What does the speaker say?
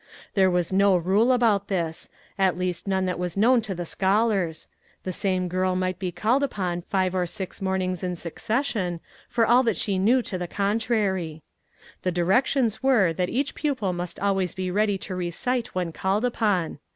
There was no rule about this, at least none that was known to the scholars ; the same girl might be called upon five or six mornings in succession, for all that she knew to the contrary. The di rections were that each pupil must always be ready to recite when called upon.